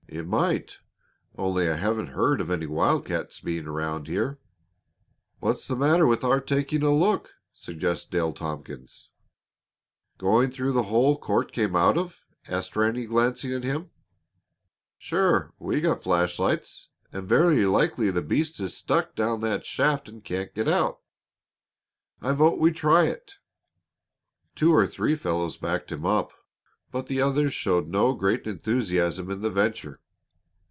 "It might only I haven't heard of any wild cats being around here." "What's the matter with our taking a look?" suggested Dale Tompkins. "Going through the hole Court came out of?" asked Ranny, glancing at him. "Sure! We've got some flash lights, and very likely the beast is stuck down that shaft and can't get out. I vote we try it." Two or three fellows backed him up, but the others showed no great enthusiasm in the venture.